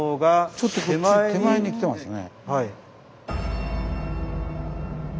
ちょっとこっち手前にきてますね。